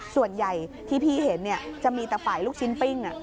ส่วนใหญ่ที่พี่เห็นจะมีแต่ฝ่ายลูกชิ้นปิ้ง